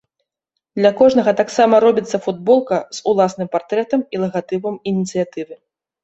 Для кожнага таксама рабіцца футболка з уласным партрэтам і лагатыпам ініцыятывы.